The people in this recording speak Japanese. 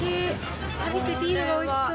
あ見てビールがおいしそう。